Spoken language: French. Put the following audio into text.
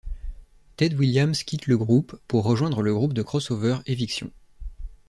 Ted Williams quitte le groupe pour rejoindre le groupe de crossover Eviction.